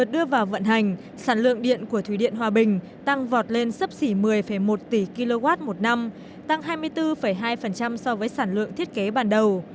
đã đạt hai mươi hai so với sản lượng thiết kế bản đầu